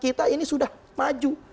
kita ini sudah maju